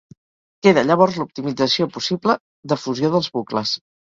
Queda llavors l'optimització possible de fusió dels bucles.